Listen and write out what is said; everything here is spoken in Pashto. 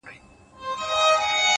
خداى دي زما د ژوندون ساز جوړ كه ـ